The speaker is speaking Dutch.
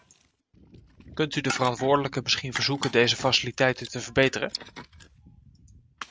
Kunt u de verantwoordelijken misschien verzoeken deze faciliteiten te verbeteren?